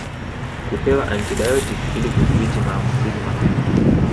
Kupewa antibayotiki ili kudhibiti maambukizi mapema